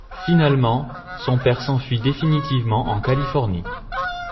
Finalement, son père s'enfuit définitivement en Californie.